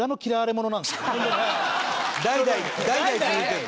代々代々続いてるの？